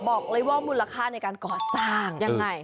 บอกเลยว่ามูลค่าในการก่อสร้างยังไง